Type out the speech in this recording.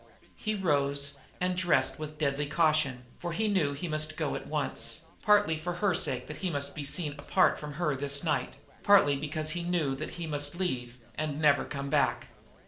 He rose, and dressed with a deadly caution, for he knew that he must go at once, partly for her sake that he must be seen apart from her this night partly because he knew that he must leave and never come back.